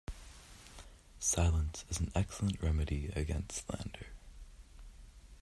Silence is an excellent remedy against slander.